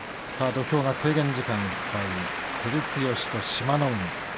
土俵は制限時間いっぱい照強と志摩ノ海。